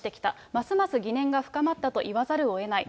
ますます疑念が深まったと言わざるをえない。